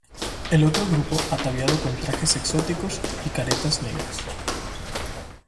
El otro grupo ataviado con trajes exóticos y caretas negras.